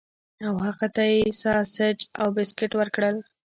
او هغه ته یې ساسج او بسکټ ورکړل